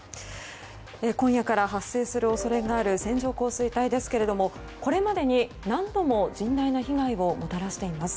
今夜から発生する恐れがある線状降水帯ですが、これまでに何度も甚大な被害をもたらしています。